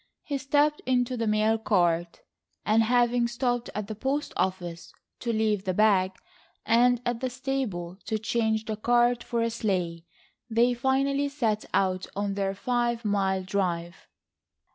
He stepped into the mail cart, and having stopped at the post office to leave the bag, and at the stable to change the cart for a sleigh, they finally set out on their five mile drive.